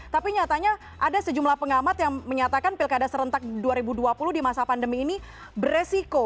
tapi nyatanya ada sejumlah pengamat yang menyatakan pilkada serentak dua ribu dua puluh di masa pandemi ini beresiko